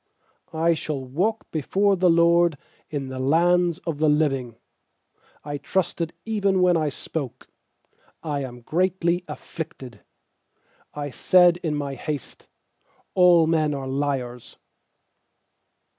9I shall walk before the LORD In the lands of the living. 10I trusted even when I spoke: 'I am greatly afflicted.' UI said in my haste: 'All men are liars.'